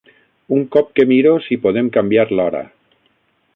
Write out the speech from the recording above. Un cop que miro si podem canviar l'hora.